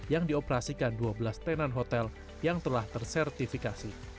yang dioperasikan dua belas tenan hotel yang telah tersertifikasi